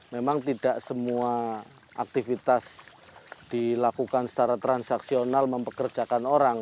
memang tidak semua aktivitas dilakukan secara transaksional mempekerjakan orang